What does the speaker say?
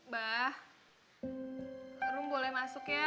ma kenapa lu ga bisa kejepetan